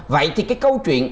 vậy thì cái câu chuyện